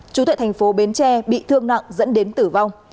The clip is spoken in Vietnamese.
chú tại thành phố bến tre bị thương nặng dẫn đến tử vong